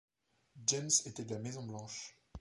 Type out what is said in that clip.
James était de la maison Blanche.